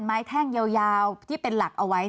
แท่งยาวที่เป็นหลักเอาไว้